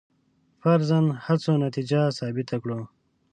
فرضاً هڅو نتیجه ثابته کړو.